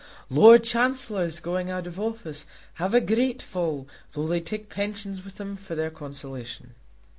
Lord Chancellors going out of office have a great fall though they take pensions with them for their consolation.